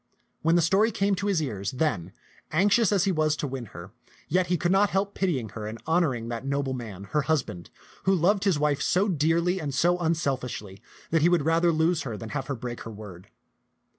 When the story came to his ears, then, anxious as he was to win her, yet he could not help pitying her and honoring that noble man, her hus band, who loved his wife so dearly and so unselfishly that he would rather lose her than have her break her word.